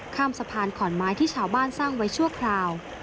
ข้ามสะพานขอนไม้ที่ชาวบ้านสร้างไว้ชั่วคราว